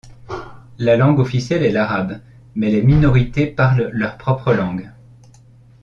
La langue officielle est l'arabe, mais les minorités parlent leur propre langue.